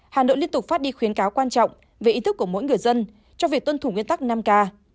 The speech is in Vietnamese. hà nội liên tục phát đi khuyến cáo quan trọng về ý thức của mỗi người dân trong việc tuân thủ nguyên tắc năm k